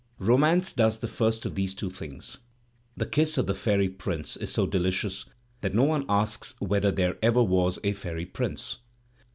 Romance does the first of these two things; the kiss of the fairy prince is so delicious that no one asks whether there ever was a fairy prince.